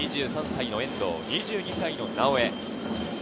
２３歳の遠藤、２２歳の直江。